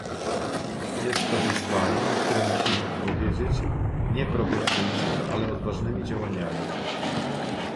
Jest to wyzwanie, na które musimy odpowiedzieć nie protekcjonizmem, ale odważnymi działaniami